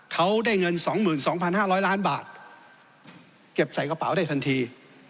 เขาได้เงินสองหมื่นสองพันห้าร้อยล้านบาทเก็บใส่กระเป๋าได้ทันที